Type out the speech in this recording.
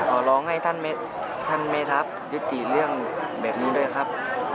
ขอร้องให้ท่านเมทัพยุติเรื่องแบบนี้ด้วยครับ